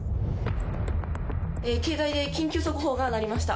携帯で緊急速報が鳴りました。